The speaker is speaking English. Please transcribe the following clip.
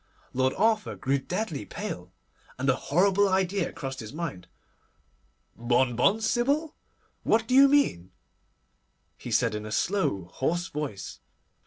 Lord Arthur grew deadly pale, and a horrible idea crossed his mind. 'Bonbon, Sybil? What do you mean?' he said in a slow, hoarse voice.